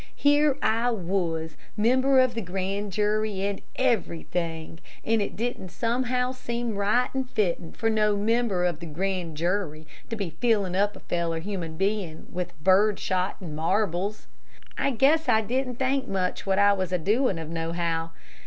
Here I was, member of the grand jury, and everything, and it didn't somehow seem right and fittin' for no member of the grand jury to be fillin' up a feller human bein' with bird shot an' marbles. I guess I didn't think much what I was a doin' of, no how.